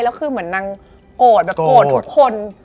แล้วคือเหมือนนางโกรธแบบโกรธทุกคน